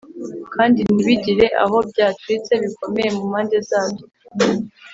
kandi ntibigire aho byacitse bikomeye mu mpande zabyo.